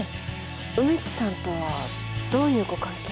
梅津さんとはどういうご関係？